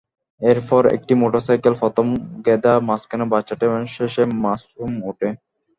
এরপর একটি মোটরসাইকেলে প্রথমে গেদা, মাঝখানে বাচ্চাটি এবং শেষে মাসুম ওঠে।